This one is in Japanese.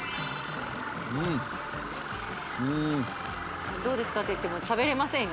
うんうんどうですかって言っても喋れませんよね